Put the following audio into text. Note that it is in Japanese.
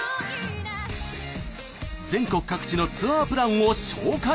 全国各地のツアープランを紹介しています。